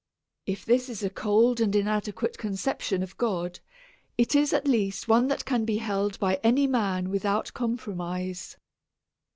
If this is a cold and inadequate conception of God, it is at least one that can be held by any man without compromise.